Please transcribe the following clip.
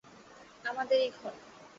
আমাদের এই ঘর।